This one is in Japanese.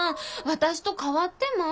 私と代わってま。